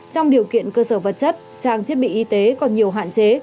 trong điều kiện cơ sở vật chất trang thiết bị y tế còn nhiều hạn chế